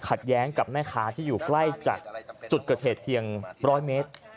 แย้งกับแม่ค้าที่อยู่ใกล้จากจุดเกิดเหตุเพียง๑๐๐เมตร